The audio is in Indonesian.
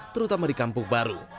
terutama di kampung baru